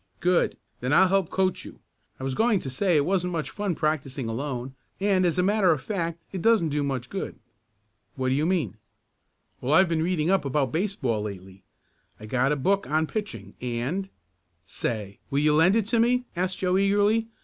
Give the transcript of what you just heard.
"Good! Then I'll help coach you. I was going to say it wasn't much fun practicing alone, and as a matter of fact it doesn't do much good." "What do you mean?" "Well, I've been reading up about baseball lately. I got a book on pitching, and " "Say, will you lend it to me?" asked Joe eagerly.